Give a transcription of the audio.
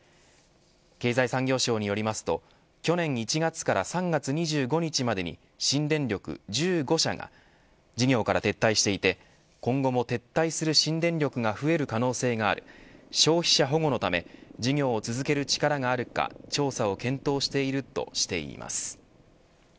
経済産業省によりますと去年１月から３月２５日までに新電力１５社が事業から撤退していて今後も撤退する新電力が増える可能性がある消費者保護のため事業を続ける力があるか調査を検討しているとしています。